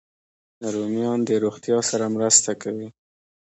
رومیان د روغتیا سره مرسته کوي